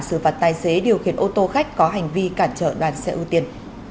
từ vật tài xế điều khiển ô tô khách có hành vi cản trở đoàn xe ưu tiên